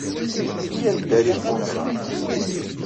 Iyya ad neddari ɣef unẓar.